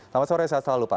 selamat sore sehat selalu pak